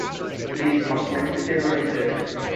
"List of Mexican writers"